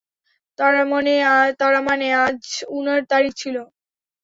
তারমানে আজ উনার তারিখ ছিলো।